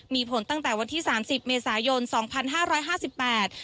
มีผลตั้งแต่วันที่สามสิบเมษายนสองพันห้าร้อยห้าสิบแปด